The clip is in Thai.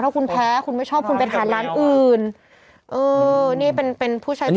ถ้าคุณแพ้คุณไม่ชอบคุณไปทานร้านอื่นเออนี่เป็นเป็นผู้ใช้